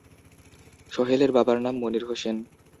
সোহেলের বাবার নাম মনির হোসেন।